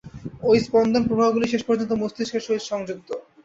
ঐ স্পন্দন-প্রবাহগুলি শেষ পর্যন্ত মস্তিষ্কের সহিত সংযুক্ত।